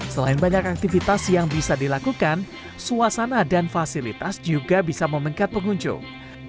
selain banyak aktivitas yang bisa dilakukan suasana dan fasilitas juga bisa memengkat pengunjung